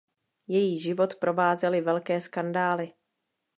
Její život provázely velké skandály.